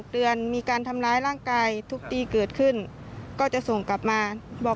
เดือนมีการทำร้ายร่างกายทุบตีเกิดขึ้นก็จะส่งกลับมาบอก